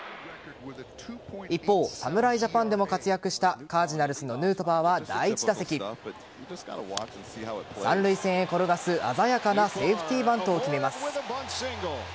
一方、侍ジャパンでも活躍したカージナルスのヌートバーは第１打席三塁線へ転がす鮮やかなセーフティーバントを決めます。